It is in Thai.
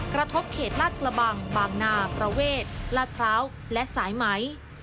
เขตลาดกระบังบางนาประเวทลาดพร้าวและสายไหม